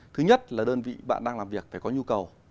thứ nhất là đơn vị bạn đang làm việc phải có nhu cầu